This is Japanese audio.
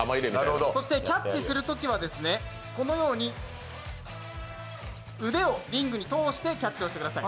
そしてキャッチするときはこのように腕をリングに通してキャッチしてください。